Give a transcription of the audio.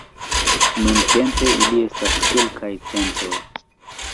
Nuntempe ili estas kelkaj centoj.